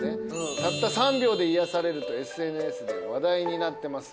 「たった３秒で癒やされる」とＳＮＳで話題になってます。